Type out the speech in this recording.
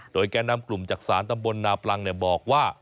โดยแก่นำกลุ่มจักษานตำบลนาปลังบอกว่า